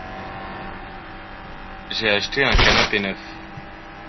j'ai acheté un canapé neuf.